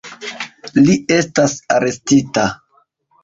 Li estas arestita.